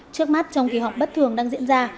trước mắt trong kỳ họp bất thường đang diễn ra